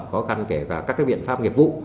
khó khăn kể cả các biện pháp nghiệp vụ